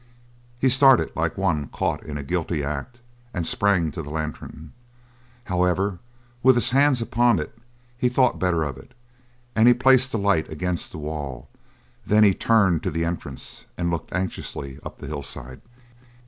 He started like one caught in a guilty act, and sprang to the lantern. However, with his hands upon it he thought better of it, and he placed the light against the wall; then he turned to the entrance and looked anxiously up the hillside.